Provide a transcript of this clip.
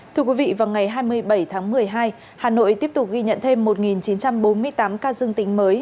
thưa quý vị vào ngày hai mươi bảy tháng một mươi hai hà nội tiếp tục ghi nhận thêm một chín trăm bốn mươi tám ca dương tính mới